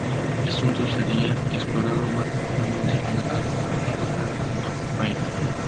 Este asunto sería explorado más profundamente en el álbum "A Different Kind Of Pain".